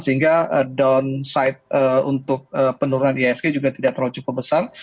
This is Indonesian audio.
sehingga down side untuk penurunan ihsg juga tidak terlalu cukup besar